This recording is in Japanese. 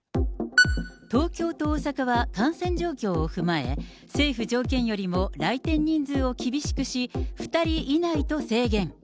東京と大阪は感染状況を踏まえ、政府条件よりも来店人数を厳しくし、２人以内と制限。